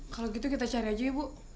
kalau gitu kita cari aja ya bu